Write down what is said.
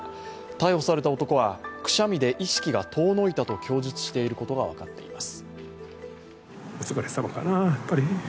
逮捕された男は、くしゃみで意識が遠のいたと供述していることが分かっています。